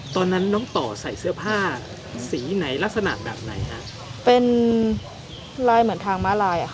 ตอนนั้นน้องต่อใส่เสื้อผ้าสีไหนลักษณะแบบไหนฮะเป็นลายเหมือนทางม้าลายอ่ะค่ะ